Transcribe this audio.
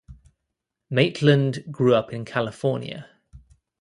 Maitland grew up in California.